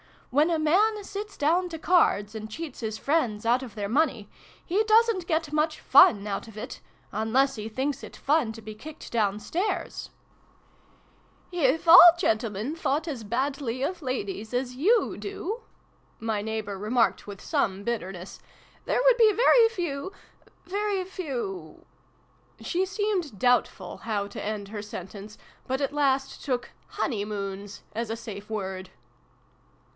When a man sits down to cards, and cheats his friends out of their money, he doesn't get much fun out of it unless he thinks it fun to be kicked down stairs !" 136 SYLVIE AND BRUNO CONCLUDED. " If all gentlemen thought as badly of ladies as you do," my neighbour remarked with some bitterness, " there would be very few very few ." She seemed doubtful how to end her sentence, but at last took " honeymoons " as a safe word.